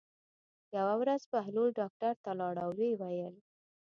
یوه ورځ بهلول ډاکټر ته لاړ او ویې ویل.